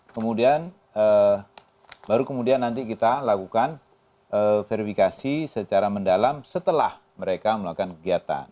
kemudian baru kemudian nanti kita lakukan verifikasi secara mendalam setelah mereka melakukan kegiatan